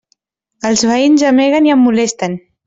Els veïns gemeguen i em molesten.